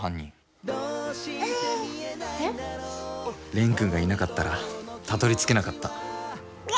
蓮くんがいなかったらたどりつけなかった。